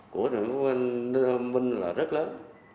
của thượng quốc minh là rất lớn